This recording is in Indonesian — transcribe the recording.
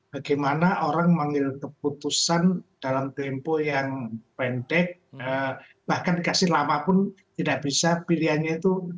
bagaimana orang mengambil keputusan dalam tempo yang pendek bahkan dikasih lama pun tidak bisa pilihannya itu